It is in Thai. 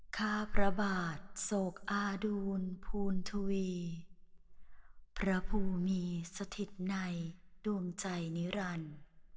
ข้าพระบาทโศกอาดูลภูณทวีพระภูมิมีสถิตในดวงใจนิรันดิ์